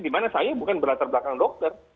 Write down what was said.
di mana saya bukan berlatar belakang dokter